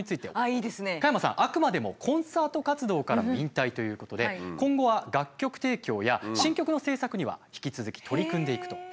あくまでもコンサート活動からの引退ということで今後は楽曲提供や新曲の制作には引き続き取り組んでいくという。